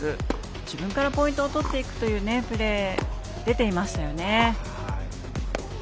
自分からポイントを取っていくというプレー出ていましたよね。